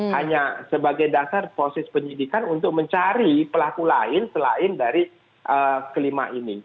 hanya sebagai dasar proses penyidikan untuk mencari pelaku lain selain dari kelima ini